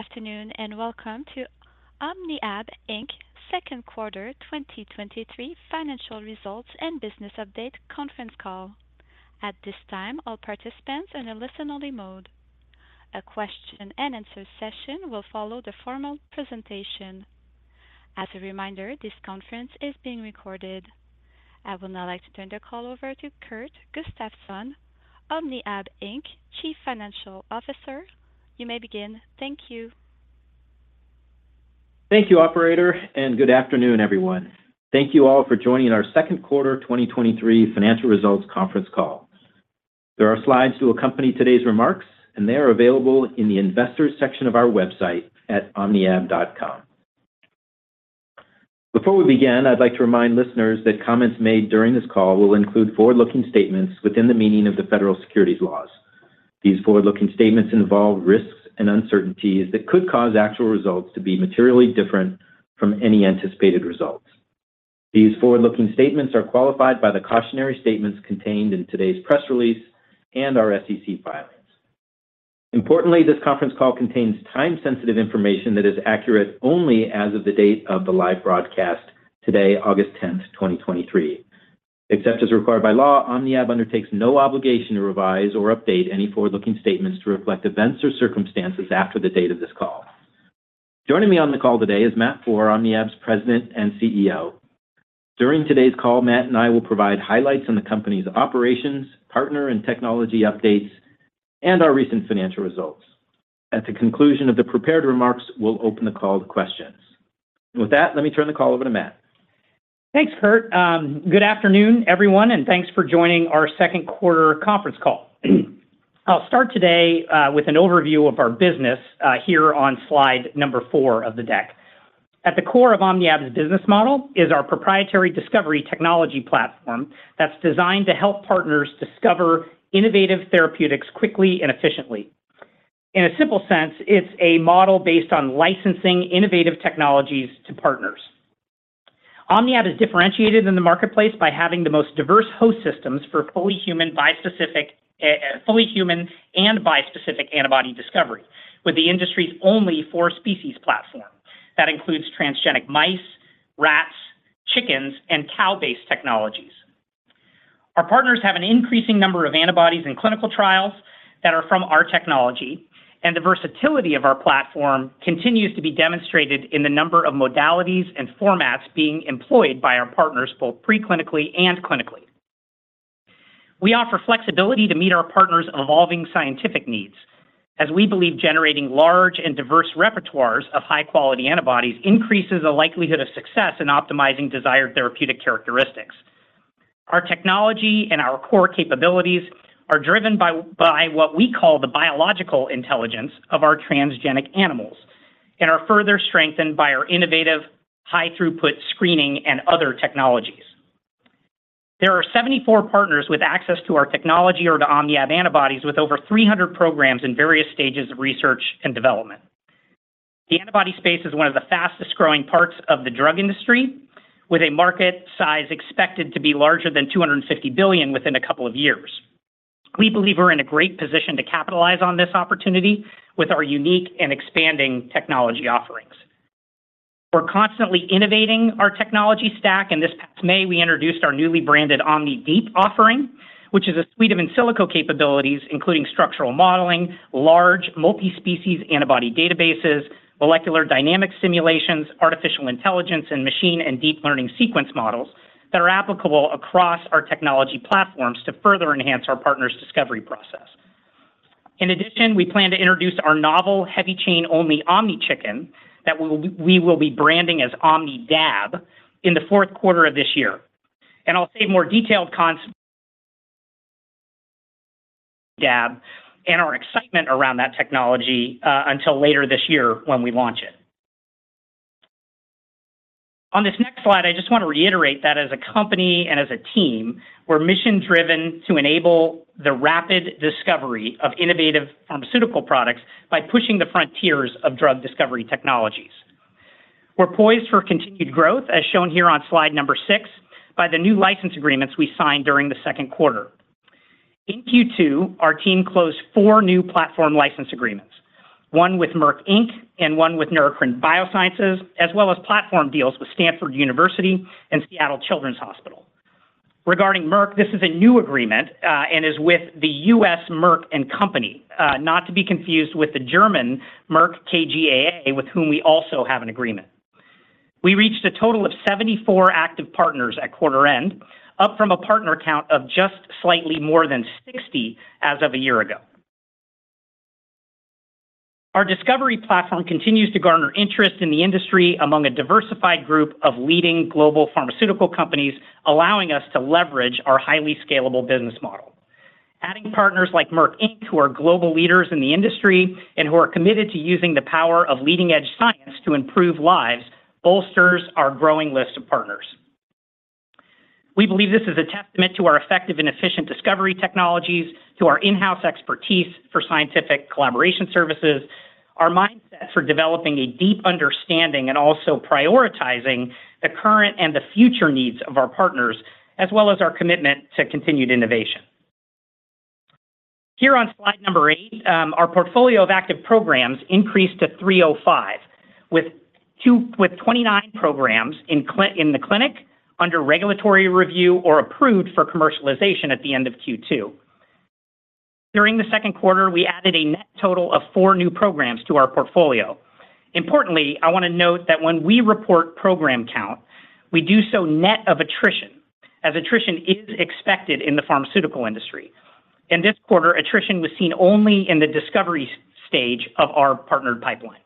Good afternoon, welcome to OmniAb Inc.'s second quarter 2023 financial results and business update conference call. At this time, all participants are in a listen-only mode. A question and answer session will follow the formal presentation. As a reminder, this conference is being recorded. I would now like to turn the call over to Kurt Gustafson, OmniAb Inc., Chief Financial Officer. You may begin. Thank you. Thank you, operator, and good afternoon, everyone. Thank you all for joining our second quarter 2023 financial results conference call. There are slides to accompany today's remarks, and they are available in the Investors Section of our website at omniab.com. Before we begin, I'd like to remind listeners that comments made during this call will include forward-looking statements within the meaning of the federal securities laws. These forward-looking statements involve risks and uncertainties that could cause actual results to be materially different from any anticipated results. These forward-looking statements are qualified by the cautionary statements contained in today's press release and our SEC filings. Importantly, this conference call contains time-sensitive information that is accurate only as of the date of the live broadcast today, August 10th, 2023. Except as required by law, OmniAb undertakes no obligation to revise or update any forward-looking statements to reflect events or circumstances after the date of this call. Joining me on the call today is Matt Foehr, OmniAb's President and CEO. During today's call, Matt and I will provide highlights on the company's operations, partner and technology updates, and our recent financial results. At the conclusion of the prepared remarks, we'll open the call to questions. With that, let me turn the call over to Matt. Thanks, Kurt. Good afternoon, everyone, and thanks for joining our second quarter conference call. I'll start today with an overview of our business here on Slide number 4 of the deck. At the core of OmniAb's business model is our proprietary discovery technology platform that's designed to help partners discover innovative therapeutics quickly and efficiently. In a simple sense, it's a model based on licensing innovative technologies to partners. OmniAb is differentiated in the marketplace by having the most diverse host systems for fully human bispecific, fully human and bispecific antibody discovery, with the industry's only four species platform. That includes transgenic mice, rats, chickens, and cow-based technologies. Our partners have an increasing number of antibodies in clinical trials that are from our technology, and the versatility of our platform continues to be demonstrated in the number of modalities and formats being employed by our partners, both pre-clinically and clinically. We offer flexibility to meet our partners' evolving scientific needs, as we believe generating large and diverse repertoires of high-quality antibodies increases the likelihood of success in optimizing desired therapeutic characteristics. Our technology and our core capabilities are driven by what we call the biological intelligence of our transgenic animals and are further strengthened by our innovative high-throughput screening and other technologies. There are 74 partners with access to our technology or to OmniAb antibodies, with over 300 programs in various stages of research and development. The antibody space is one of the fastest-growing parts of the drug industry, with a market size expected to be larger than $250 billion within a couple of years. We believe we're in a great position to capitalize on this opportunity with our unique and expanding technology offerings. This past May, we introduced our newly branded OmniDeep offering, which is a suite of in silico capabilities, including structural modeling, large multi-species antibody databases, molecular dynamics simulations, artificial intelligence, and machine and deep learning sequence models that are applicable across our technology platforms to further enhance our partners' discovery process. In addition, we plan to introduce our novel heavy chain-only OmniChicken that we will be branding as OmniDab in the fourth quarter of this year. I'll save more detailed Dab and our excitement around that technology until later this year when we launch it. On this next slide, I just want to reiterate that as a company and as a team, we're mission-driven to enable the rapid discovery of innovative pharmaceutical products by pushing the frontiers of drug discovery technologies. We're poised for continued growth, as shown here on Slide number 6, by the new license agreements we signed during the second quarter. In Q2, our team closed four new platform license agreements, one with Merck Inc. and one with Neurocrine Biosciences, as well as platform deals with Stanford University and Seattle Children's Hospital. Regarding Merck, this is a new agreement and is with the U.S. Merck & Company, not to be confused with the German Merck KGaA, with whom we also have an agreement. We reached a total of 74 active partners at quarter end, up from a partner count of just slightly more than 60 as of a year ago. Our discovery platform continues to garner interest in the industry among a diversified group of leading global pharmaceutical companies, allowing us to leverage our highly scalable business model. Adding partners like Merck Inc., who are global leaders in the industry and who are committed to using the power of leading-edge science to improve lives, bolsters our growing list of partners. We believe this is a testament to our effective and efficient discovery technologies, to our in-house expertise for scientific collaboration services, our mindset for developing a deep understanding and also prioritizing the current and the future needs of our partners, as well as our commitment to continued innovation. Here on Slide number 8, our portfolio of active programs increased to 305, with 29 programs in the clinic under regulatory review or approved for commercialization at the end of Q2. During the second quarter, we added a net total of four new programs to our portfolio. Importantly, I want to note that when we report program count, we do so net of attrition, as attrition is expected in the pharmaceutical industry. In this quarter, attrition was seen only in the discovery stage of our partnered pipeline.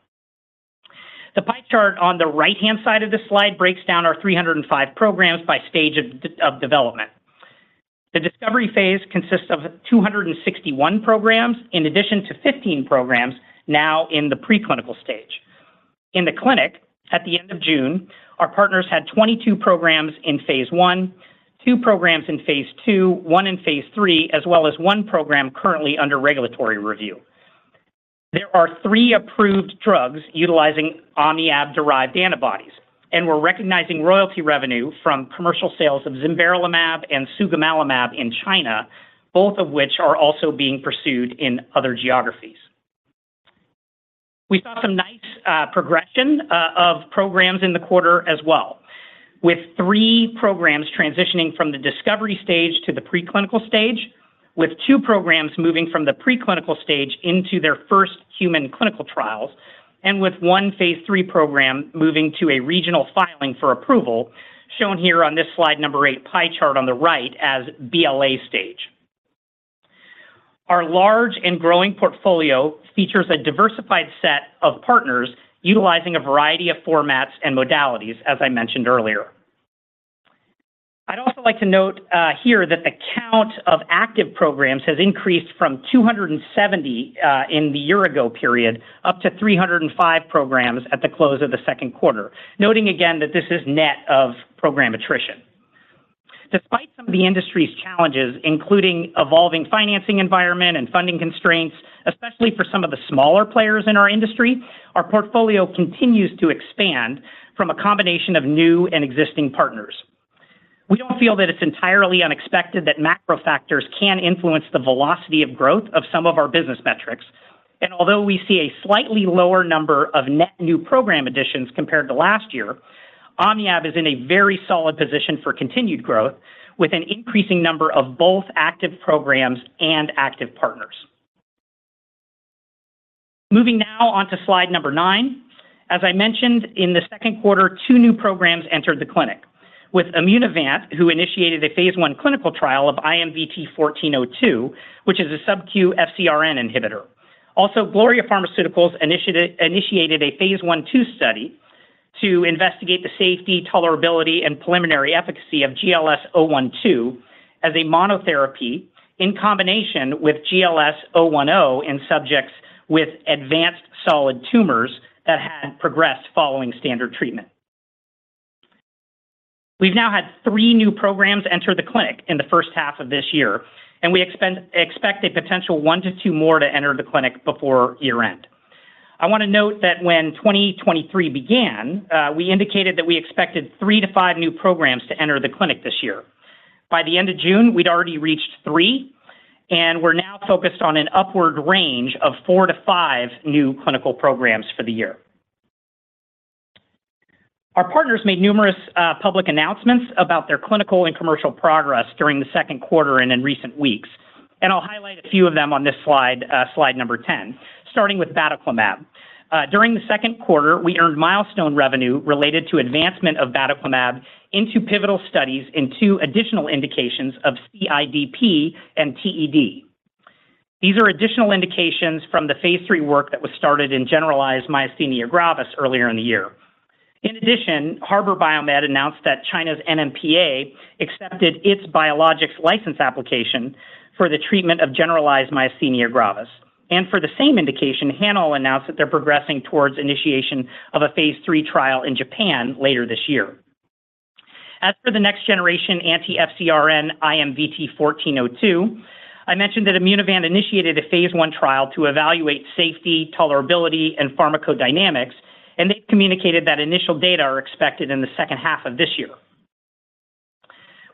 The pie chart on the right-hand side of this slide breaks down our 305 programs by stage of development. The discovery phase consists of 261 programs, in addition to 15 programs now in the preclinical stage. In the clinic, at the end of June, our partners had 22 programs in Phase I, two programs in Phase II, one in Phase III, as well as one program currently under regulatory review. There are three approved drugs utilizing OmniAb-derived antibodies, and we're recognizing royalty revenue from commercial sales of Zimberelimab and sugemalimab in China, both of which are also being pursued in other geographies. We saw some nice progression of programs in the quarter as well, with three programs transitioning from the discovery stage to the preclinical stage, with two programs moving from the preclinical stage into their first human clinical trials, with one Phase III program moving to a regional filing for approval, shown here on this Slide number 8 pie chart on the right as BLA stage. Our large and growing portfolio features a diversified set of partners utilizing a variety of formats and modalities, as I mentioned earlier. I'd also like to note here that the count of active programs has increased from 270 in the year ago period, up to 305 programs at the close of the second quarter, noting again that this is net of program attrition. Despite some of the industry's challenges, including evolving financing environment and funding constraints, especially for some of the smaller players in our industry, our portfolio continues to expand from a combination of new and existing partners. We all feel that it's entirely unexpected that macro factors can influence the velocity of growth of some of our business metrics, and although we see a slightly lower number of net new program additions compared to last year, OmniAb is in a very solid position for continued growth, with an increasing number of both active programs and active partners. Moving now on to Slide number 9. As I mentioned in the second quarter, two new programs entered the clinic, with Immunovant, who initiated a Phase I clinical trial of IMVT-1402, which is a subcutaneous FcRn inhibitor. Also, Genor Biopharma initiated a Phase I/II study to investigate the safety, tolerability, and preliminary efficacy of GLS-012 as a monotherapy in combination with GLS-010 in subjects with advanced solid tumors that had progressed following standard treatment. We've now had three new programs enter the clinic in the first half of this year, and we expect a potential one to two more to enter the clinic before year-end. I want to note that when 2023 began, we indicated that we expected three to five new programs to enter the clinic this year. By the end of June, we'd already reached three, and we're now focused on an upward range of four to five new clinical programs for the year. Our partners made numerous public announcements about their clinical and commercial progress during the second quarter and in recent weeks. I'll highlight a few of them on this slide, Slide 10, starting with batoclimab. During the second quarter, we earned milestone revenue related to advancement of batoclimab into pivotal studies in two additional indications of CIDP and TED. These are additional indications from the Phase III work that was started in generalized myasthenia gravis earlier in the year. In addition, Harbour BioMed announced that China's NMPA accepted its Biologics License Application for the treatment of generalized myasthenia gravis. For the same indication, HanAll announced that they're progressing towards initiation of a Phase III trial in Japan later this year. As for the next generation anti-FcRn, IMVT-1402, I mentioned that Immunovant initiated a Phase I trial to evaluate safety, tolerability, and pharmacodynamics. They communicated that initial data are expected in the second half of this year.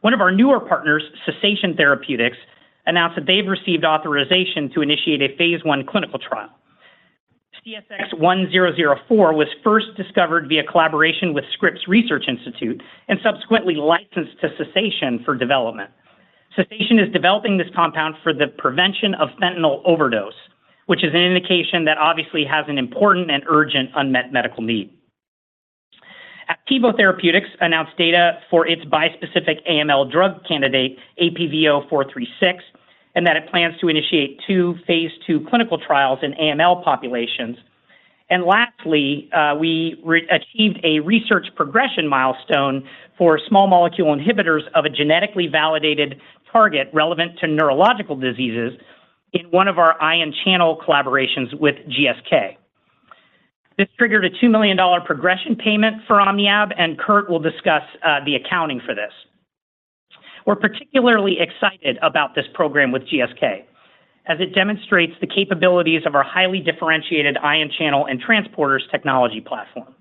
One of our newer partners, Cessation Therapeutics, announced that they've received authorization to initiate a Phase I clinical trial. CSX-1004 was first discovered via collaboration with Scripps Research Institute and subsequently licensed to Cessation for development. Cessation is developing this compound for the prevention of fentanyl overdose, which is an indication that obviously has an important and urgent unmet medical need. Aptevo Therapeutics announced data for its bispecific AML drug candidate, APVO436. It plans to initiate two Phase II clinical trials in AML populations. Lastly, we re-achieved a research progression milestone for small molecule inhibitors of a genetically validated target relevant to neurological diseases in one of our ion channel collaborations with GSK. This triggered a $2 million progression payment for OmniAb, and Kurt will discuss the accounting for this. We're particularly excited about this program with GSK, as it demonstrates the capabilities of our highly differentiated ion channel and transporters technology platform.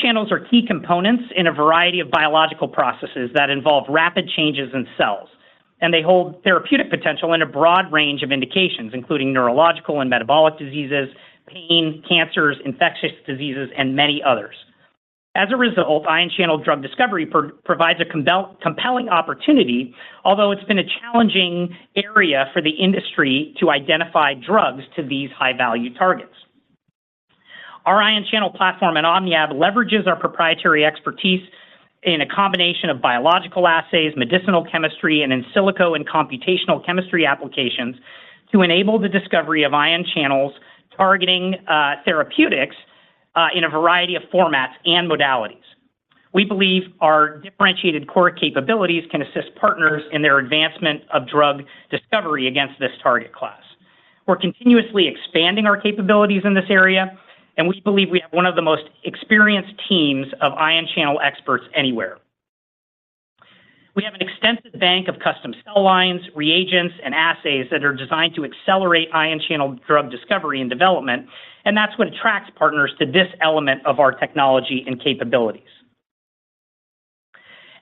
Channels are key components in a variety of biological processes that involve rapid changes in cells, and they hold therapeutic potential in a broad range of indications, including neurological and metabolic diseases, pain, cancers, infectious diseases, and many others. As a result, ion channel drug discovery provides a compelling opportunity, although it's been a challenging area for the industry to identify drugs to these high-value targets. Our ion channel platform at OmniAb leverages our proprietary expertise in a combination of biological assays, medicinal chemistry, and in silico and computational chemistry applications to enable the discovery of ion channels targeting therapeutics in a variety of formats and modalities. We believe our differentiated core capabilities can assist partners in their advancement of drug discovery against this target class. We're continuously expanding our capabilities in this area, and we believe we have one of the most experienced teams of ion channel experts anywhere. We have an extensive bank of custom cell lines, reagents, and assays that are designed to accelerate ion channel drug discovery and development. That's what attracts partners to this element of our technology and capabilities.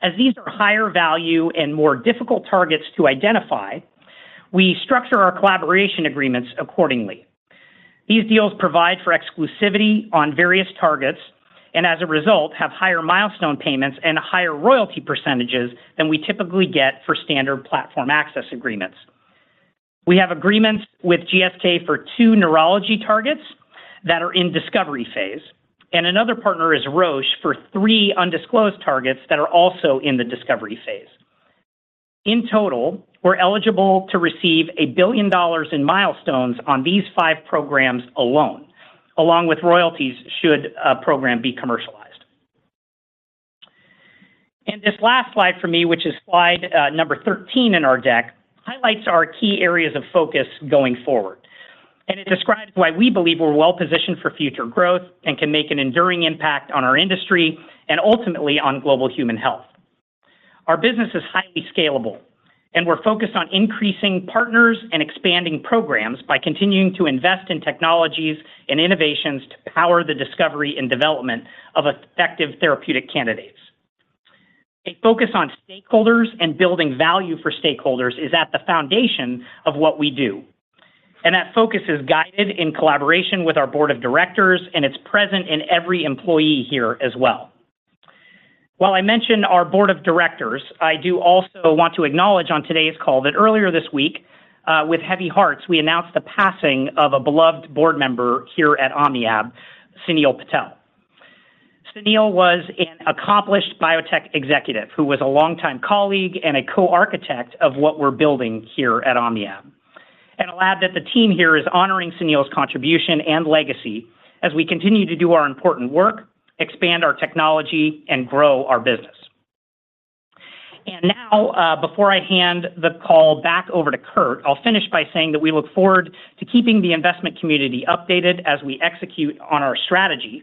As these are higher value and more difficult targets to identify, we structure our collaboration agreements accordingly. These deals provide for exclusivity on various targets, and as a result, have higher milestone payments and higher royalty percentages than we typically get for standard platform access agreements. We have agreements with GSK for two neurology targets that are in discovery phase, and another partner is Roche for three undisclosed targets that are also in the discovery phase. In total, we're eligible to receive a billion in milestones on these five programs alone, along with royalties should a program be commercialized. This last slide for me, which is Slide number 13 in our deck, highlights our key areas of focus going forward. It describes why we believe we're well positioned for future growth and can make an enduring impact on our industry and ultimately on global human health. Our business is highly scalable, and we're focused on increasing partners and expanding programs by continuing to invest in technologies and innovations to power the discovery and development of effective therapeutic candidates. A focus on stakeholders and building value for stakeholders is at the foundation of what we do, and that focus is guided in collaboration with our board of directors, and it's present in every employee here as well. While I mentioned our board of directors, I do also want to acknowledge on today's call that earlier this week, with heavy hearts, we announced the passing of a beloved Board member here at OmniAb, Sunil Patel. Sunil was an accomplished biotech executive, who was a longtime colleague and a co-architect of what we're building here at OmniAb. I'll add that the team here is honoring Sunil's contribution and legacy as we continue to do our important work, expand our technology, and grow our business. Now, before I hand the call back over to Kurt, I'll finish by saying that we look forward to keeping the investment community updated as we execute on our strategy.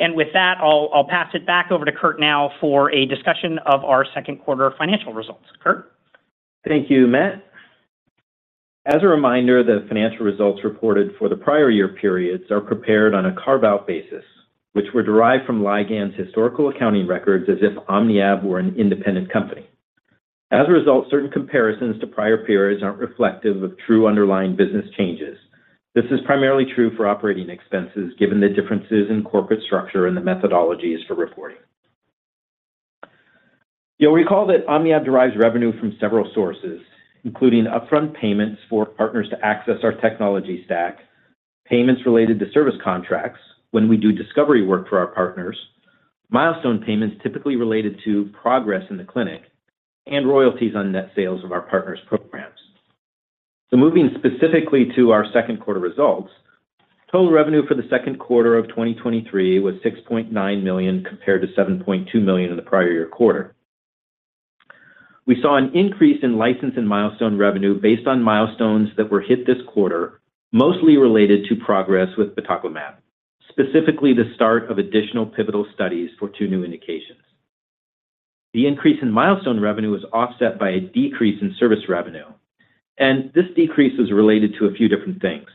With that, I'll, I'll pass it back over to Kurt now for a discussion of our second quarter financial results. Kurt? Thank you, Matt. As a reminder, the financial results reported for the prior year periods are prepared on a carve-out basis, which were derived from Ligand's historical accounting records as if OmniAb were an independent company. As a result, certain comparisons to prior periods aren't reflective of true underlying business changes. This is primarily true for operating expenses, given the differences in corporate structure and the methodologies for reporting. You'll recall that OmniAb derives revenue from several sources, including upfront payments for partners to access our technology stack, payments related to service contracts when we do discovery work for our partners, milestone payments typically related to progress in the clinic, and royalties on net sales of our partners' programs. Moving specifically to our second quarter results, total revenue for the second quarter of 2023 was $6.9 million, compared to $7.2 million in the prior year quarter. We saw an increase in license and milestone revenue based on milestones that were hit this quarter, mostly related to progress with batoclimab, specifically the start of additional pivotal studies for two new indications. The increase in milestone revenue was offset by a decrease in service revenue, and this decrease is related to a few different things.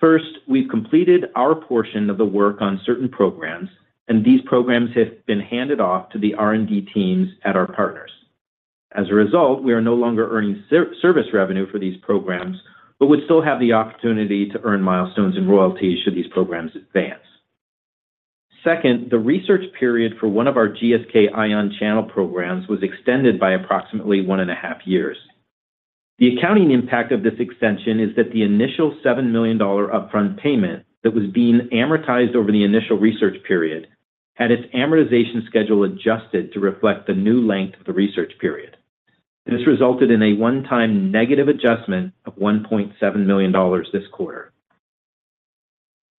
First, we've completed our portion of the work on certain programs, and these programs have been handed off to the R&D teams at our partners. As a result, we are no longer earning service revenue for these programs, but would still have the opportunity to earn milestones and royalties should these programs advance. Second, the research period for one of our GSK ion channel programs was extended by approximately one and a half years. The accounting impact of this extension is that the initial $7 million upfront payment that was being amortized over the initial research period had its amortization schedule adjusted to reflect the new length of the research period. This resulted in a one-time negative adjustment of $1.7 million this quarter.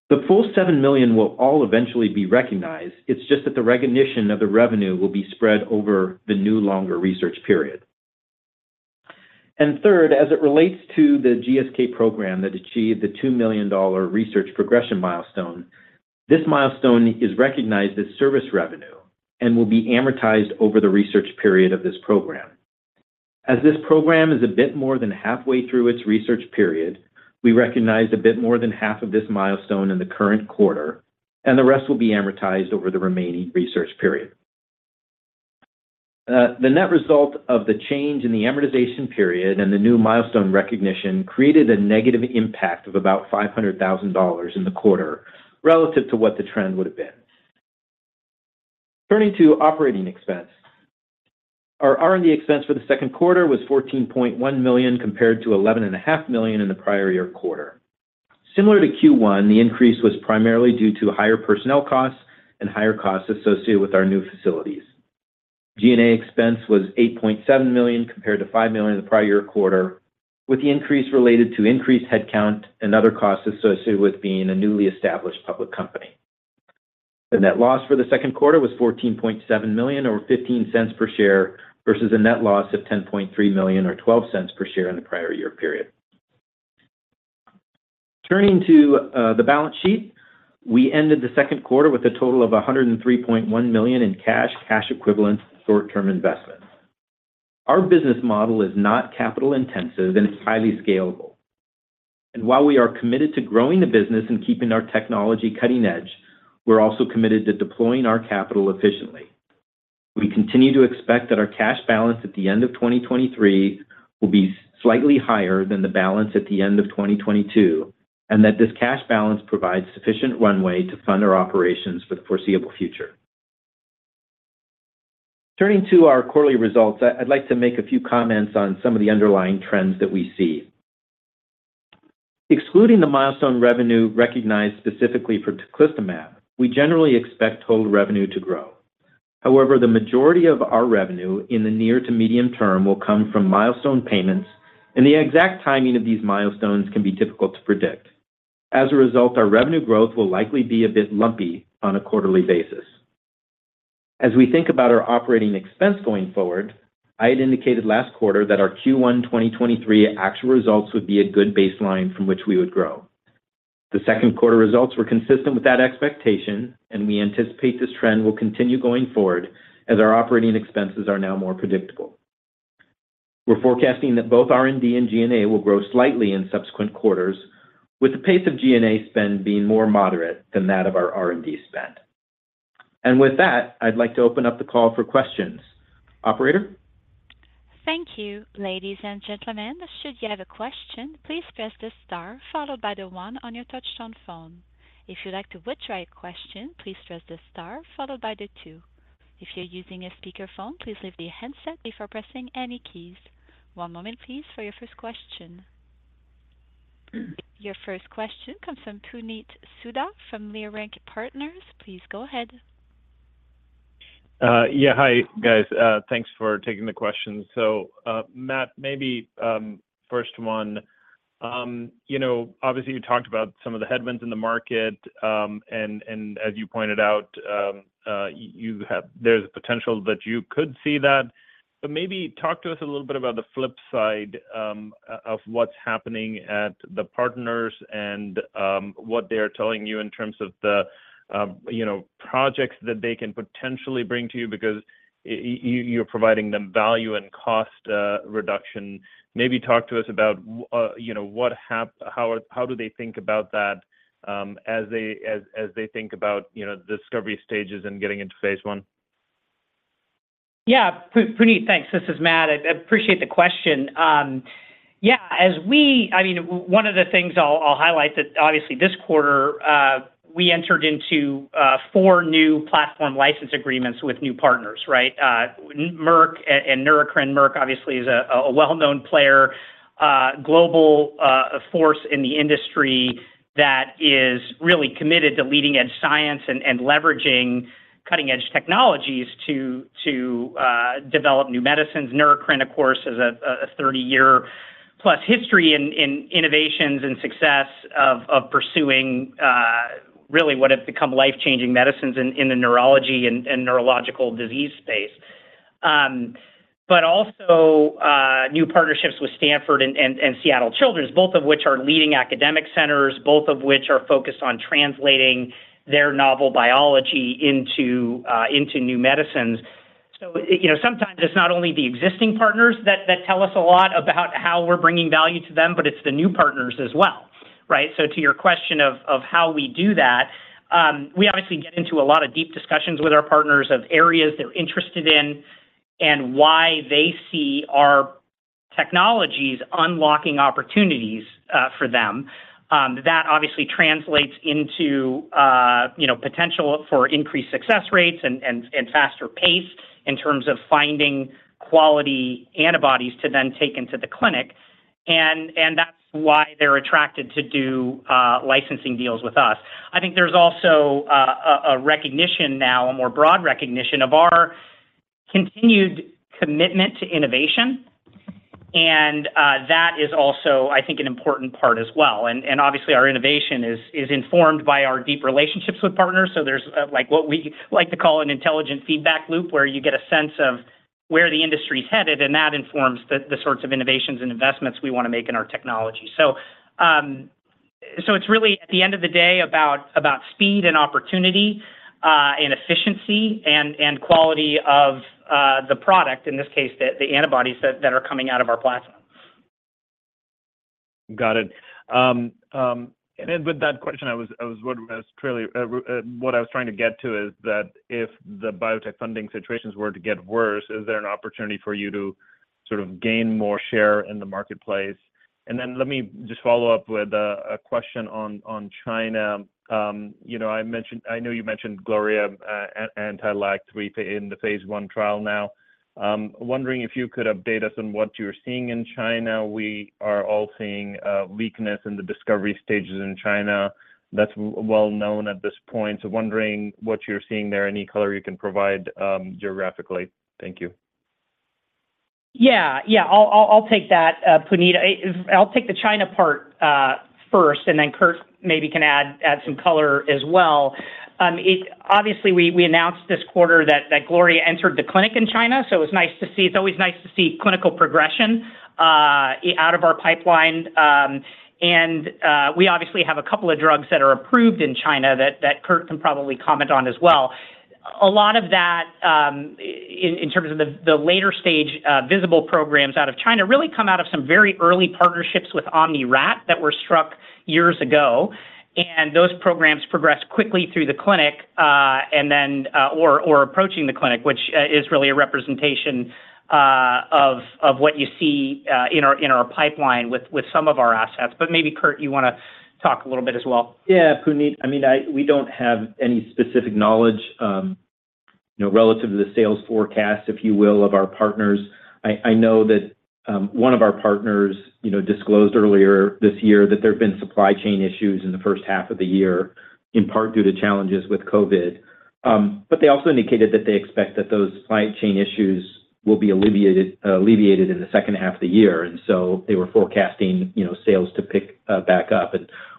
The full $7 million will all eventually be recognized. It's just that the recognition of the revenue will be spread over the new, longer research period. Third, as it relates to the GSK program that achieved the $2 million research progression milestone, this milestone is recognized as service revenue and will be amortized over the research period of this program. As this program is a bit more than halfway through its research period, we recognized a bit more than half of this milestone in the current quarter, and the rest will be amortized over the remaining research period. The net result of the change in the amortization period and the new milestone recognition created a negative impact of about $500,000 in the quarter relative to what the trend would have been. Turning to operating expense. Our R&D expense for the second quarter was $14.1 million, compared to $11.5 million in the prior-year quarter. Similar to Q1, the increase was primarily due to higher personnel costs and higher costs associated with our new facilities. G&A expense was $8.7 million, compared to $5 million in the prior year quarter, with the increase related to increased headcount and other costs associated with being a newly established public company. The net loss for the second quarter was $14.7 million or $0.15 per share, versus a net loss of $10.3 million or $0.12 per share in the prior year period. Turning to the balance sheet, we ended the second quarter with a total of $103.1 million in cash, cash equivalents, short-term investments. Our business model is not capital-intensive, and it's highly scalable. While we are committed to growing the business and keeping our technology cutting edge, we're also committed to deploying our capital efficiently. We continue to expect that our cash balance at the end of 2023 will be slightly higher than the balance at the end of 2022, and that this cash balance provides sufficient runway to fund our operations for the foreseeable future. Turning to our quarterly results, I'd like to make a few comments on some of the underlying trends that we see. Excluding the milestone revenue recognized specifically for teclistamab, we generally expect total revenue to grow. However, the majority of our revenue in the near to medium term will come from milestone payments, and the exact timing of these milestones can be difficult to predict. As a result, our revenue growth will likely be a bit lumpy on a quarterly basis. As we think about our operating expense going forward, I had indicated last quarter that our Q1 2023 actual results would be a good baseline from which we would grow. The second quarter results were consistent with that expectation, and we anticipate this trend will continue going forward as our operating expenses are now more predictable. We're forecasting that both R&D and G&A will grow slightly in subsequent quarters, with the pace of G&A spend being more moderate than that of our R&D spend. With that, I'd like to open up the call for questions. Operator? Thank you. Ladies and gentlemen, should you have a question, please press the star followed by the one on your touchtone phone. If you'd like to withdraw your question, please press the star followed by the two. If you're using a speakerphone, please leave your handset before pressing any keys. One moment, please, for your first question. Your first question comes from Puneet Souda from Leerink Partners. Please go ahead. Yeah. Hi, guys. Thanks for taking the questions. Matt, maybe, first one, you know, obviously you talked about some of the headwinds in the market, and, as you pointed out, there's a potential that you could see that, but maybe talk to us a little bit about the flip side, of what's happening at the partners and, what they are telling you in terms of the, you know, projects that they can potentially bring to you because you're providing them value and cost, reduction. Maybe talk to us about you know, how do they think about that, as they think about, you know, the discovery stages and getting into Phase I? Yeah, Puneet, thanks. This is Matt. I, I appreciate the question. I mean, one of the things I'll, I'll highlight that obviously this quarter, we entered into four new platform license agreements with new partners, right? Merck and Neurocrine. Merck obviously is a well-known player, global force in the industry that is really committed to leading-edge science and leveraging cutting-edge technologies to develop new medicines. Neurocrine, of course, has a 30-year-plus history in innovations and success of pursuing really what have become life-changing medicines in the neurology and neurological disease space. Also, new partnerships with Stanford and Seattle Children's, both of which are leading academic centers, both of which are focused on translating their novel biology into new medicines. You know, sometimes it's not only the existing partners that tell us a lot about how we're bringing value to them, but it's the new partners as well, right? To your question of how we do that, we obviously get into a lot of deep discussions with our partners of areas they're interested in and why they see our technologies unlocking opportunities for them. That obviously translates into, you know, potential for increased success rates and faster pace in terms of finding quality antibodies to then take into the clinic, and that's why they're attracted to do licensing deals with us. I think there's also a recognition now, a more broad recognition of our continued commitment to innovation, and that is also, I think, an important part as well. Obviously, our innovation is, is informed by our deep relationships with partners. There's, like, what we like to call an intelligent feedback loop, where you get a sense of where the industry's headed, and that informs the, the sorts of innovations and investments we want to make in our technology it's really, at the end of the day, about, about speed and opportunity, and efficiency and, and quality of the product, in this case, the, the antibodies that, that are coming out of our plasma. Got it. With that question, I was wondering, clearly, what I was trying to get to is that if the biotech funding situations were to get worse, is there an opportunity for you to sort of gain more share in the marketplace? Let me just follow up with a question on China. You know, I know you mentioned GLS-012, anti-LAG-3 in the Phase I trial now. Wondering if you could update us on what you're seeing in China. We are all seeing weakness in the discovery stages in China. That's well known at this point, so wondering what you're seeing there, any color you can provide, geographically. Thank you. Yeah. Yeah, I'll take that, Puneet. I'll take the China part first, and then Kurt maybe can add, add some color as well. Obviously, we announced this quarter that Gloria entered the clinic in China, so it's nice to see. It's always nice to see clinical progression out of our pipeline. We obviously have a couple of drugs that are approved in China that, that Kurt can probably comment on as well. A lot of that in terms of the, the later stage, visible programs out of China, really come out of some very early partnerships with OmniRat that were struck years ago. Those programs progressed quickly through the clinic, and then. Approaching the clinic, which is really a representation of what you see in our pipeline with some of our assets. Maybe, Kurt, you want to talk a little bit as well? Yeah, Puneet. I mean, we don't have any specific knowledge, you know, relative to the sales forecast, if you will, of our partners. I know that, one of our partners, you know, disclosed earlier this year that there have been supply chain issues in the first half of the year, in part due to challenges with COVID. They also indicated that they expect that those supply chain issues will be alleviated, alleviated in the second half of the year, so they were forecasting, you know, sales to pick back up.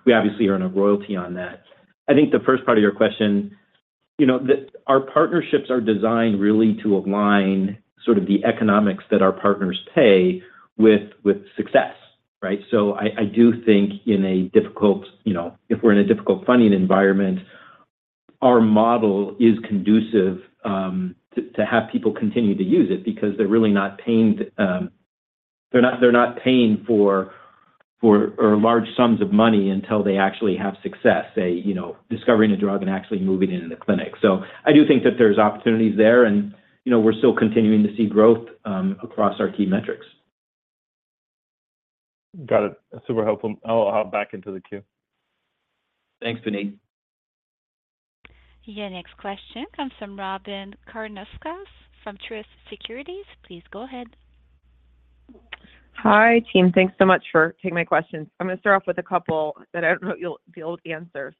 We obviously earn a royalty on that. I think the first part of your question, you know, our partnerships are designed really to align sort of the economics that our partners pay with, with success, right? I do think in a difficult, you know, if we're in a difficult funding environment, our model is conducive to have people continue to use it because they're not paying for, or large sums of money until they actually have success, say, you know, discovering a drug and actually moving it into the clinic. I do think that there's opportunities there, and, you know, we're still continuing to see growth across our key metrics. Got it. Super helpful. I'll hop back into the queue. Thanks, Puneet. Your next question comes from Robyn Karnauskas from Truist Securities. Please go ahead. Hi, team. Thanks so much for taking my questions. I'm going to start off with a couple that I don't know you'll be able to answer.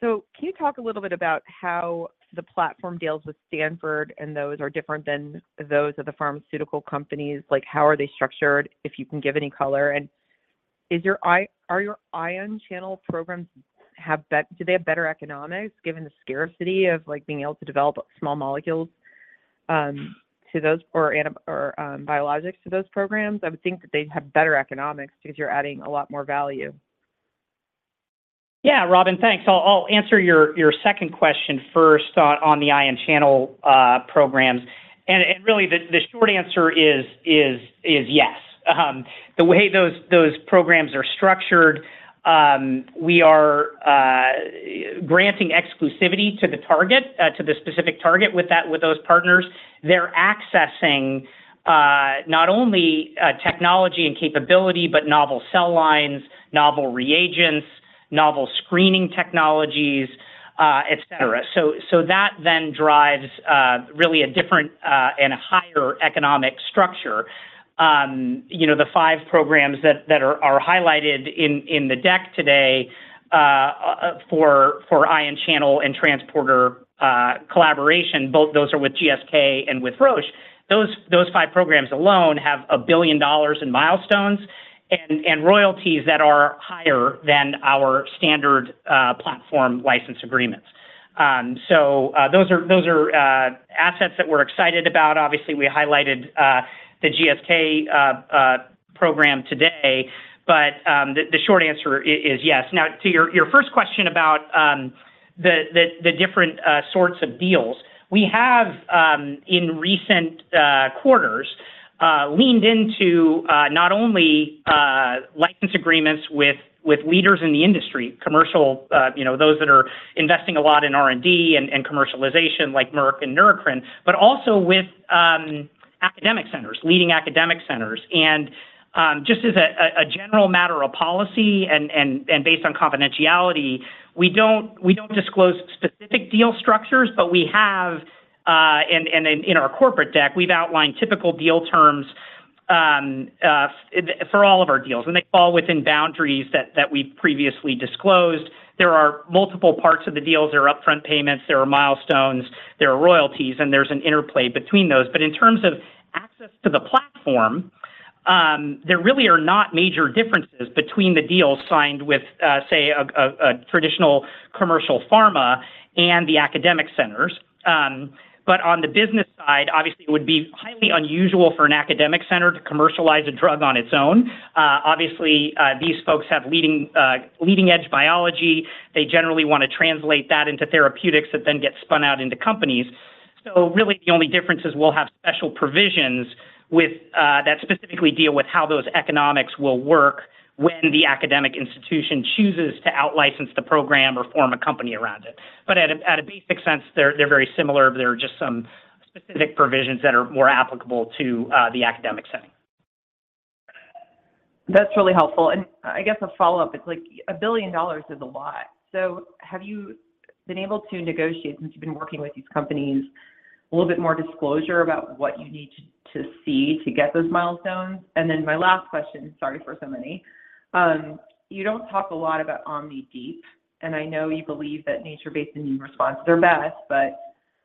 Can you talk a little bit about how the platform deals with Stanford and those are different than those of the pharmaceutical companies? Like, how are they structured, if you can give any color? Are your ion channel programs do they have better economics, given the scarcity of, like, being able to develop small molecules to those or or biologics to those programs? I would think that they'd have better economics because you're adding a lot more value. Yeah, Robyn, thanks. I'll answer your, your second question first on, on the ion channel programs. Really, the, the short answer is yes. The way those, those programs are structured, we are granting exclusivity to the target, to the specific target with that, with those partners. They're accessing not only technology and capability, but novel cell lines, novel reagents, novel screening technologies, et cetera. That then drives really a different and a higher economic structure. You know, the five programs that, that are, are highlighted in, in the deck today, for, for ion channel and transporter collaboration, both those are with GSK and with Roche. Those, those five programs alone have a billion in milestones and, and royalties that are higher than our standard platform license agreements. Those are, those are, assets that we're excited about. Obviously, we highlighted the GSK program today, but the short answer is yes. Now, to your, your first question about the different sorts of deals. We have in recent quarters leaned into not only license agreements with leaders in the industry, commercial, you know, those that are investing a lot in R&D and commercialization, like Merck and Neurocrine, but also with academic centers, leading academic centers. Just as a general matter of policy and based on confidentiality, we don't, we don't disclose specific deal structures, but we have in our corporate deck, we've outlined typical deal terms for all of our deals, and they fall within boundaries that we've previously disclosed. There are multiple parts of the deals. There are upfront payments, there are milestones, there are royalties, and there's an interplay between those. In terms of access to the platform, there really are not major differences between the deals signed with say, a traditional commercial pharma and the academic centers. On the business side, obviously, it would be highly unusual for an academic center to commercialize a drug on its own. Obviously, these folks have leading, leading-edge biology. They generally want to translate that into therapeutics that then get spun out into companies. Really, the only difference is we'll have special provisions with that specifically deal with how those economics will work when the academic institution chooses to out-license the program or form a company around it. At a basic sense, they're very similar. There are just some specific provisions that are more applicable to the academic setting. That's really helpful, and I guess a follow-up is, like, a billion is a lot. Have you been able to negotiate, since you've been working with these companies, a little bit more disclosure about what you need to see to get those milestones? My last question, sorry for so many, you don't talk a lot about OmniDeep, and I know you believe that nature-based immune response are best, but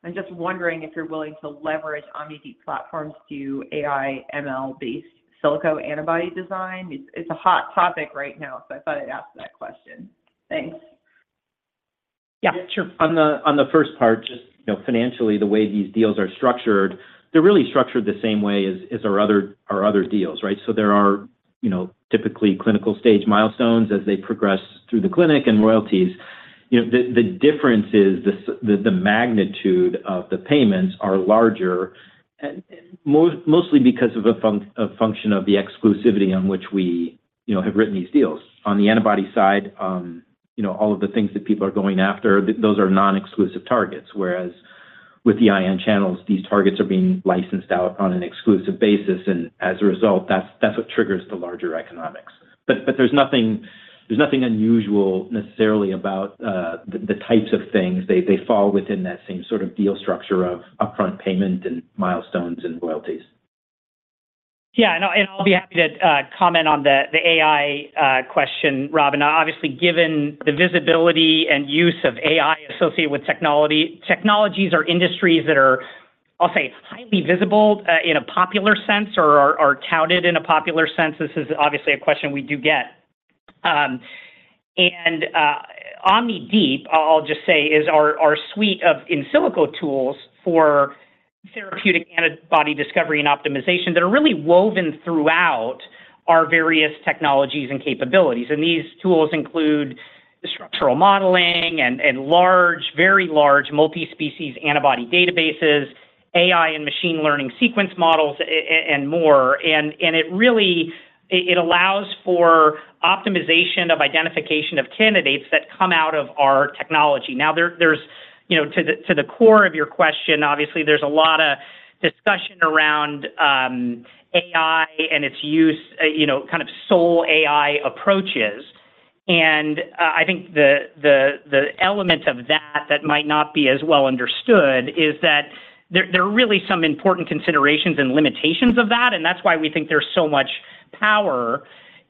I'm just wondering if you're willing to leverage OmniDeep platforms to do AI, ML-based in silico antibody design. It's a hot topic right now, so I thought I'd ask that question. Thanks. Yeah, sure. On the, on the first part, just, you know, financially, the way these deals are structured, they're really structured the same way as our other, our other deals, right? There are, you know, typically clinical stage milestones as they progress through the clinic and royalties. You know, the difference is the magnitude of the payments are larger, and mostly because of a function of the exclusivity on which we, you know, have written these deals. On the antibody side, you know, all of the things that people are going after, those are non-exclusive targets, whereas with the ion channels, these targets are being licensed out on an exclusive basis, and as a result, that's, that's what triggers the larger economics. But there's nothing, there's nothing unusual necessarily about the types of things. They fall within that same sort of deal structure of upfront payment and milestones and royalties. Yeah, and I'll be happy to comment on the AI question, Robyn. Obviously, given the visibility and use of AI associated with technology, technologies or industries that are, I'll say, highly visible in a popular sense or are, are touted in a popular sense, this is obviously a question we do get. OmniDeep, I'll just say, is our suite of in silico tools for therapeutic antibody discovery and optimization that are really woven throughout our various technologies and capabilities. These tools include structural modeling and large, very large multi-species antibody databases, AI and machine learning sequence models, and more. It really allows for optimization of identification of candidates that come out of our technology. Now, there's, you know, to the core of your question, obviously, there's a lot of discussion around AI and its use, you know, kind of sole AI approaches. I think the, element of that that might not be as well understood is that there are really some important considerations and limitations of that, and that's why we think there's so much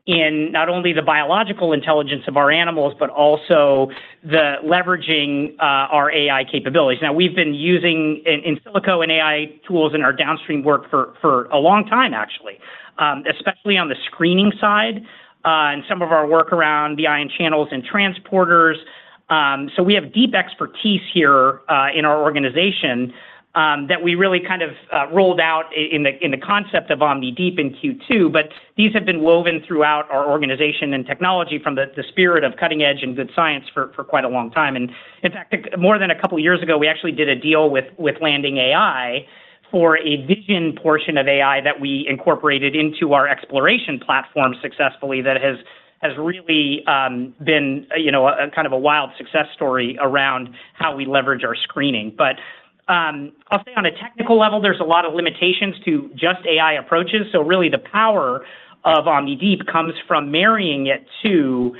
power in not only the biological intelligence of our animals, but also the leveraging our AI capabilities. Now, we've been using in silico and AI tools in our downstream work for, for a long time, actually, especially on the screening side, and some of our work around the ion channels and transporters. We have deep expertise here in our organization that we really kind of rolled out in the concept of OmniDeep in Q2, but these have been woven throughout our organization and technology from the spirit of cutting edge and good science for quite a long time. In fact, more than a couple of years ago, we actually did a deal with Landing AI for a vision portion of AI that we incorporated into our exploration platform successfully that has really been a, you know, a kind of a wild success story around how we leverage our screening. I'll say on a technical level, there's a lot of limitations to just AI approaches, so really the power of OmniDeep comes from marrying it to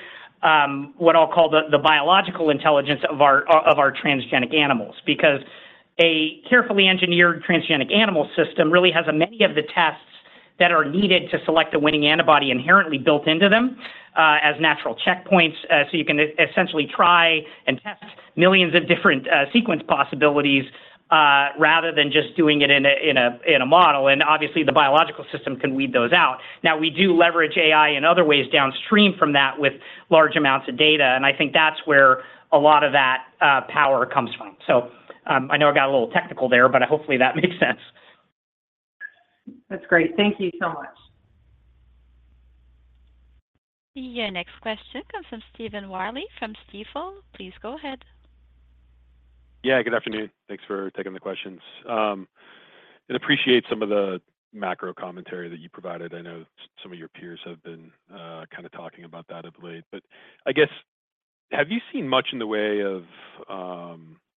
what I'll call the biological intelligence of our, of our transgenic animals. Because a carefully engineered transgenic animal system really has many of the tests that are needed to select a winning antibody inherently built into them as natural checkpoints. So you can essentially try and test millions of different sequence possibilities rather than just doing it in a model, and obviously, the biological system can weed those out. Now, we do leverage AI in other ways downstream from that with large amounts of data, and I think that's where a lot of that power comes from. I know I got a little technical there, but hopefully, that makes sense. That's great. Thank you so much. Your next question comes from Stephen Willey, from Stifel. Please go ahead. Yeah, good afternoon. Thanks for taking the questions. Appreciate some of the macro commentary that you provided. I know some of your peers have been kind of talking about that of late. I guess, have you seen much in the way of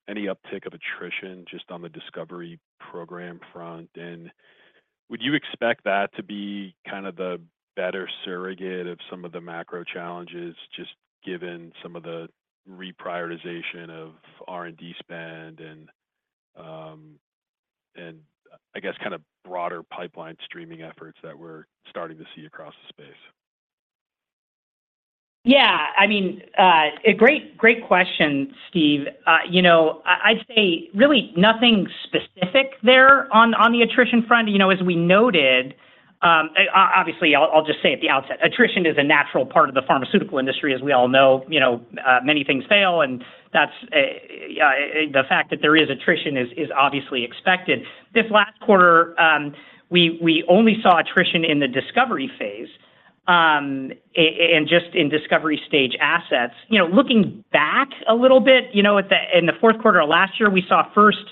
any uptick of attrition just on the discovery program front? Would you expect that to be kind of the better surrogate of some of the macro challenges, just given some of the reprioritization of R&D spend and broader pipeline streaming efforts that we're starting to see across the space? Yeah. I mean, a great, great question, Steve. You know, I'd say really nothing specific there on the attrition front. You know, as we noted, obviously, I'll, I'll just say at the outset, attrition is a natural part of the pharmaceutical industry, as we all know. You know, many things fail, and that's, yeah, the fact that there is attrition is, is obviously expected. This last quarter, we, we only saw attrition in the discovery phase, and just in discovery stage assets. You know, looking back a little bit, you know, in the fourth quarter of last year, we saw first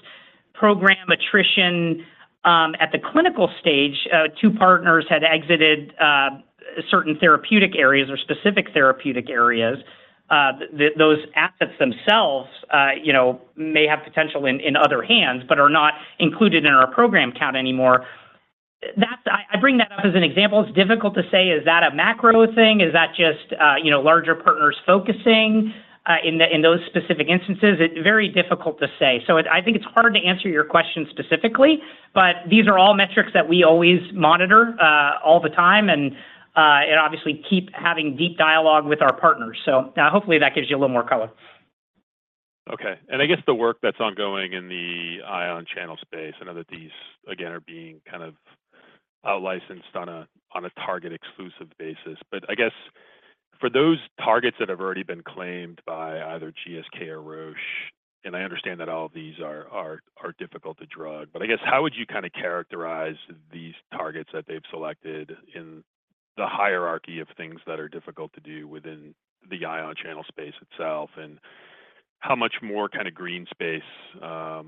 program attrition at the clinical stage. Two partners had exited certain therapeutic areas or specific therapeutic areas. Those assets themselves, you know, may have potential in, in other hands, but are not included in our program count anymore. I bring that up as an example. It's difficult to say. Is that a macro thing? Is that just, you know, larger partners focusing in those specific instances? It's very difficult to say. I think it's hard to answer your question specifically, but these are all metrics that we always monitor all the time, and obviously keep having deep dialogue with our partners. Hopefully that gives you a little more color. Okay. I guess the work that's ongoing in the ion channel space, I know that these, again, are being kind of licensed on a target exclusive basis. I guess for those targets that have already been claimed by either GSK or Roche, and I understand that all of these are, are difficult to drug, but I guess how would you kind of characterize these targets that they've selected in the hierarchy of things that are difficult to do within the ion channel space itself? How much more kind of green space in,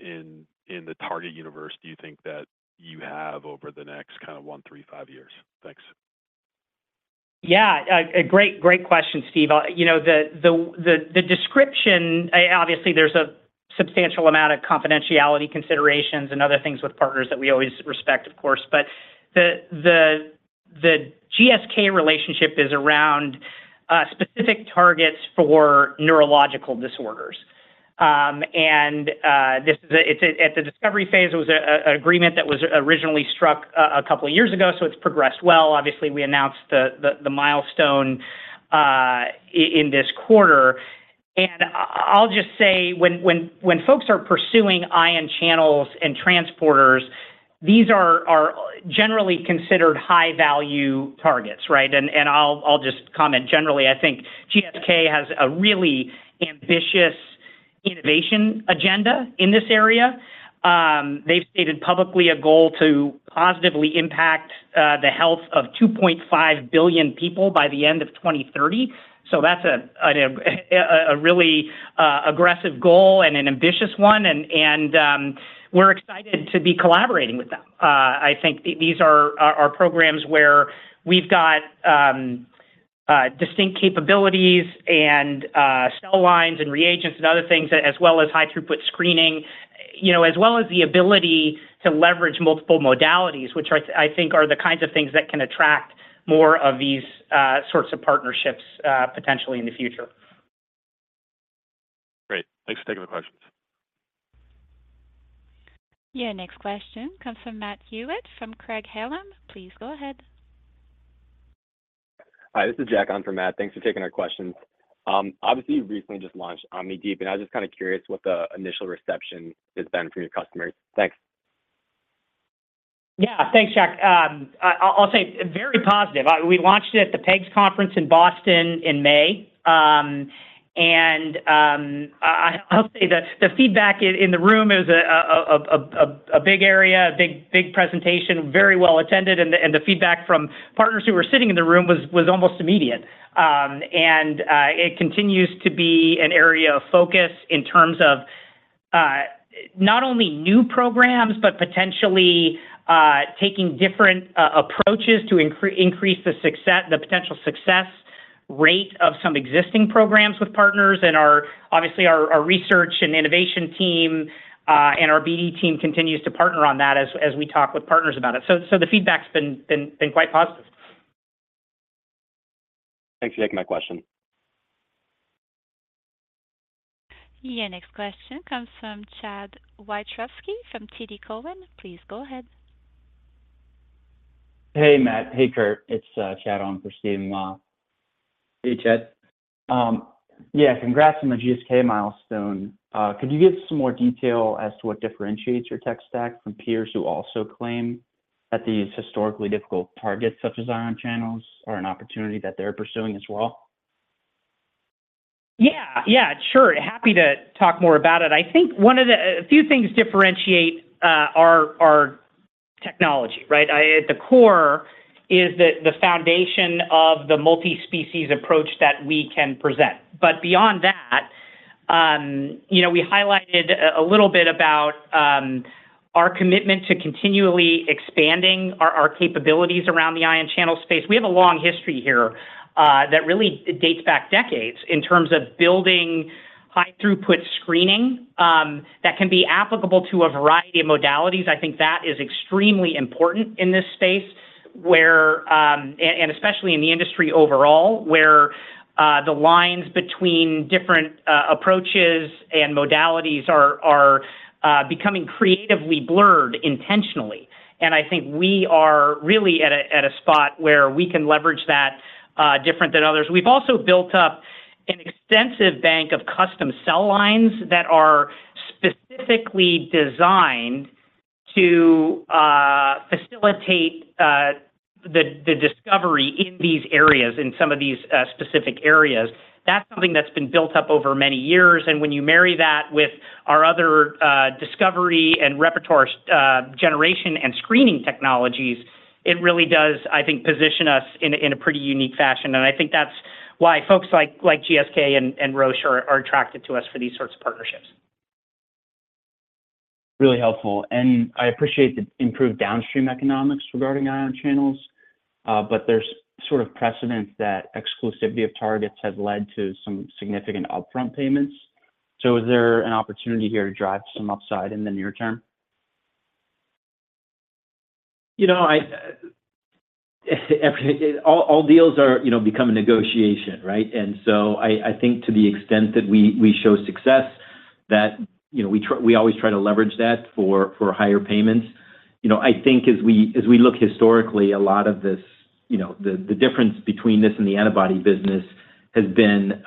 in, in the target universe do you think that you have over the next kind of one, three, five years? Thanks. Yeah, great question, Steve. You know, the description, obviously, there's a substantial amount of confidentiality considerations and other things with partners that we always respect, of course. The GSK relationship is around specific targets for neurological disorders. This is at the discovery phase, it was an agreement that was originally struck a couple of years ago, so it's progressed well. Obviously, we announced the milestone in this quarter. I'll just say when folks are pursuing ion channels and transporters, these are generally considered high-value targets, right? I'll just comment generally, I think GSK has a really ambitious innovation agenda in this area. They've stated publicly a goal to positively impact the health of 2.5 billion people by the end of 2030. That's a really aggressive goal and an ambitious one, we're excited to be collaborating with them. I think these are programs where we've got distinct capabilities and cell lines and reagents and other things, as well as high-throughput screening, you know, as well as the ability to leverage multiple modalities, which I think are the kinds of things that can attract more of these sorts of partnerships potentially in the future. Great. Thanks for taking the questions. Your next question comes from Matt Hewitt from Craig-Hallum. Please go ahead. Hi, this is Jack on from Matt. Thanks for taking our questions. obviously, you recently just launched OmniDeep, and I was just kind of curious what the initial reception has been from your customers. Thanks. Yeah. Thanks, Jack. I'll say very positive. We launched it at the PEGS conference in Boston in May. I'll say the, the feedback in the room is a big area, a big presentation, very well attended and the feedback from partners who were sitting in the room was, was almost immediate. It continues to be an area of focus in terms of, not only new programs, but potentially, taking different, approaches to increase the success- the potential success rate of some existing programs with partners. Our, obviously our research and innovation team, and our BD team continues to partner on that as, as we talk with partners about it. The feedback's been quite positive. Thanks for taking my question. Your next question comes from Chad Wiatrowski from TD Cowen. Please go ahead. Hey, Matt. Hey, Kurt. It's, Chad on for Steven Mah. Hey, Chad. Yeah, congrats on the GSK milestone. Could you give some more detail as to what differentiates your tech stack from peers who also claim that these historically difficult targets, such as ion channels, are an opportunity that they're pursuing as well? Yeah, yeah, sure. Happy to talk more about it. I think a few things differentiate our technology, right? At the core is the foundation of the multispecies approach that we can present. Beyond that, you know, we highlighted a little bit about our commitment to continually expanding our capabilities around the ion channel space. We have a long history here that really dates back decades in terms of building high-throughput screening that can be applicable to a variety of modalities. I think that is extremely important in this space and especially in the industry overall, where the lines between different approaches and modalities are becoming creatively blurred intentionally. I think we are really at a spot where we can leverage that different than others. We've also built up an extensive bank of custom cell lines that specifically designed to facilitate the discovery in these areas, in some of these specific areas. That's something that's been built up over many years, and when you marry that with our other discovery and repertoire generation and screening technologies, it really does, I think, position us in a pretty unique fashion. I think that's why folks like GSK and Roche are attracted to us for these sorts of partnerships. Really helpful. I appreciate the improved downstream economics regarding ion channels, but there's sort of precedents that exclusivity of targets has led to some significant upfront payments. Is there an opportunity here to drive some upside in the near term? You know, all deals are, you know, become a negotiation, right? I think to the extent that we show success, that, you know, we always try to leverage that for, for higher payments. You know, I think as we, as we look historically, a lot of this, you know, the, the difference between this and the antibody business has been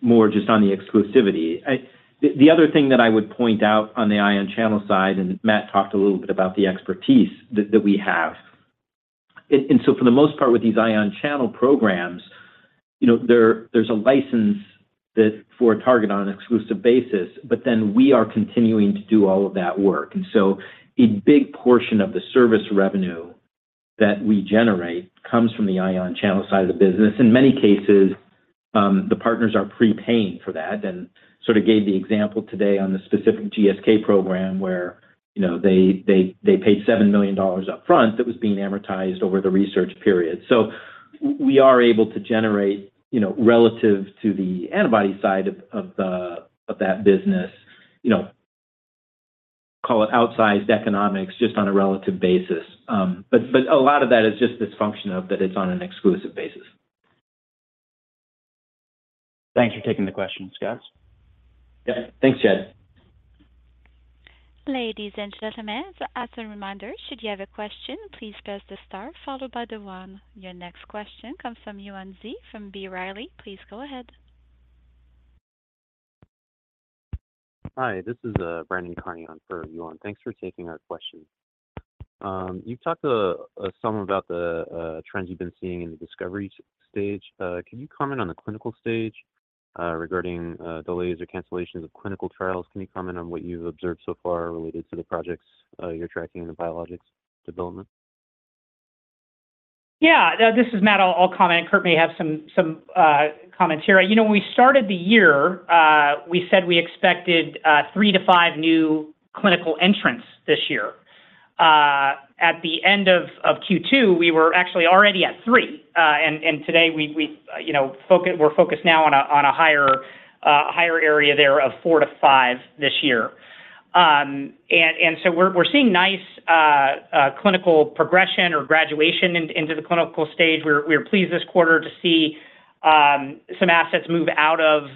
more just on the exclusivity. The other thing that I would point out on the ion channel side, and Matt talked a little bit about the expertise that, that we have. For the most part, with these ion channel programs, you know, there's a license that, for a target on an exclusive basis, but then we are continuing to do all of that work. So a big portion of the service revenue that we generate comes from the ion channel side of the business. In many cases, the partners are pre-paying for that, and sort of gave the example today on the specific GSK program where, you know, they paid $7 million upfront that was being amortized over the research period. We are able to generate, you know, relative to the antibody side of the, of that business, you know, call it outsized economics, just on a relative basis. But a lot of that is just this function of that it's on an exclusive basis. Thanks for taking the question, guys. Yeah. Thanks, Chad. Ladies and gentlemen, as a reminder, should you have a question, please press the star followed by the one. Your next question comes from Yuan Zhi from B. Riley. Please go ahead. Hi, this is Brandon Carney on for Yuan. Thanks for taking our question. You've talked some about the trends you've been seeing in the discovery stage. Can you comment on the clinical stage regarding delays or cancellations of clinical trials? Can you comment on what you've observed so far related to the projects you're tracking in the biologics development? Yeah. This is Matt. I'll comment, and Kurt may have some comments here. You know, when we started the year, we said we expected three to five new clinical entrants this year. At the end of, of Q2, we were actually already at three. Today we, we, you know, we're focused now on a higher area there of four to five this year. We're, we're seeing nice clinical progression or graduation into the clinical stage. We're pleased this quarter to see some assets move out of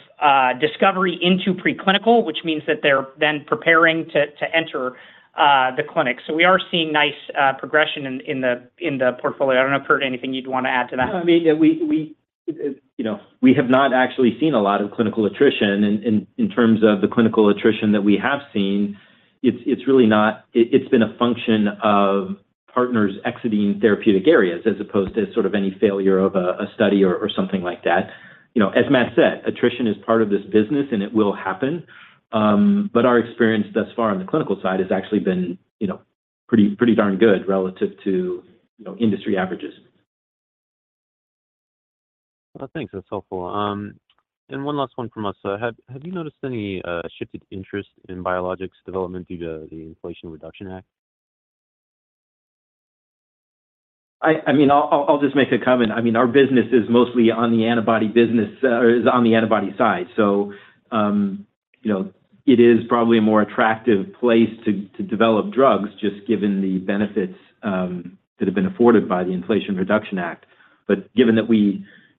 discovery into preclinical, which means that they're then preparing to, to enter the clinic. We are seeing nice progression in the portfolio. I don't know, Kurt, anything you'd want to add to that? No, I mean, yeah, we have not actually seen a lot of clinical attrition. In, in, in terms of the clinical attrition that we have seen, it's been a function of partners exiting therapeutic areas as opposed to sort of any failure of a study or something like that. You know, as Matt said, attrition is part of this business, and it will happen. Our experience thus far on the clinical side has actually been, you know, pretty darn good relative to, you know, industry averages. Well, thanks. That's helpful. One last one from us. Have you noticed any shifted interest in biologics development due to the Inflation Reduction Act? I mean, I'll just make a comment. I mean, our business is mostly on the antibody business, is on the antibody side. You know, it is probably a more attractive place to, to develop drugs, just given the benefits, that have been afforded by the Inflation Reduction Act. Given that we,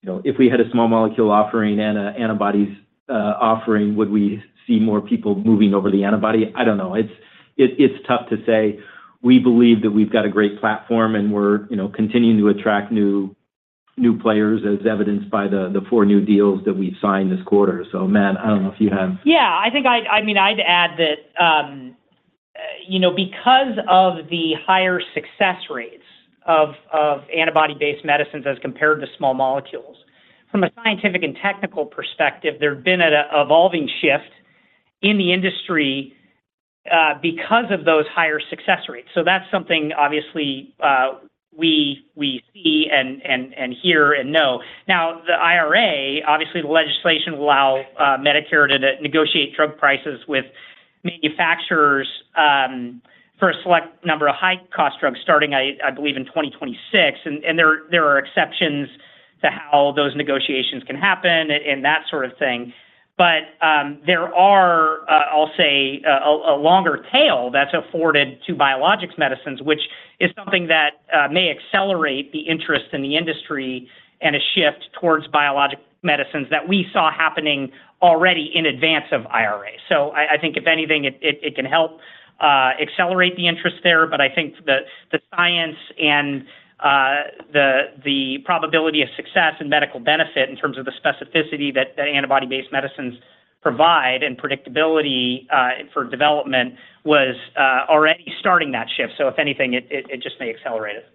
you know, if we had a small molecule offering and a antibodies, offering, would we see more people moving over the antibody? I don't know. It's tough to say. We believe that we've got a great platform, and we're, you know, continuing to attract new players, as evidenced by the four new deals that we've signed this quarter. Matt, I don't know if you have- Yeah, I think I'd, I mean, I'd add that, you know, because of the higher success rates of antibody-based medicines as compared to small molecules, from a scientific and technical perspective, there's been an evolving shift in the industry because of those higher success rates. That's something obviously, we see and hear and know. Now, the IRA, obviously, the legislation will allow Medicare to negotiate drug prices with manufacturers for a select number of high-cost drugs starting, I believe, in 2026. There are exceptions to how those negotiations can happen and that sort of thing. There are, I'll say, a longer tail that's afforded to biologics medicines, which is something that may accelerate the interest in the industry and a shift towards biologic medicines that we saw happening already in advance of IRA. I think if anything, it can help accelerate the interest there. I think the science and the probability of success and medical benefit in terms of the specificity that antibody-based medicines provide and predictability for development was already starting that shift. If anything, it just may accelerate it.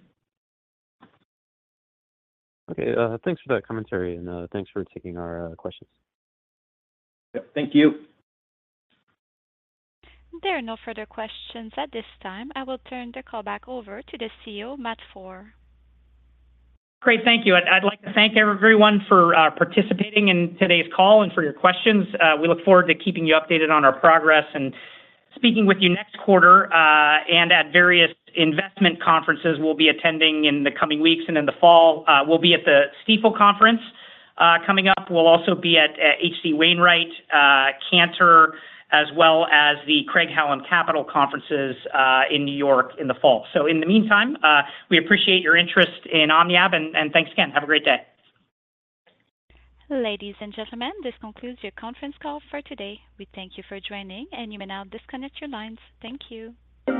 Okay, thanks for that commentary, and thanks for taking our questions. Yep, thank you. There are no further questions at this time. I will turn the call back over to the CEO, Matt Foehr. Great, thank you. I'd like to thank everyone for participating in today's call and for your questions. We look forward to keeping you updated on our progress and speaking with you next quarter and at various investment conferences we'll be attending in the coming weeks and in the fall. We'll be at the Stifel Conference coming up. We'll also be at H.C. Wainwright, Cantor, as well as the Craig-Hallum Capital conferences in New York in the fall. In the meantime, we appreciate your interest in OmniAb, and thanks again. Have a great day. Ladies and gentlemen, this concludes your conference call for today. We thank you for joining, and you may now disconnect your lines. Thank you.